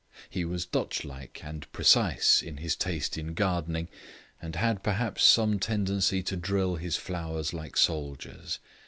He was Dutch like and precise in his taste in gardening, and had, perhaps, some tendency to drill his flowers like soldiers.